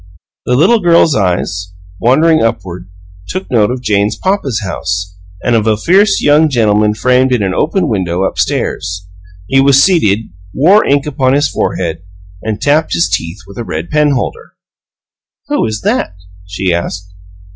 The little girl's eyes, wandering upward, took note of Jane's papa's house, and of a fierce young gentleman framed in an open window up stairs. He was seated, wore ink upon his forehead, and tapped his teeth with a red penholder. "Who is that?" she asked.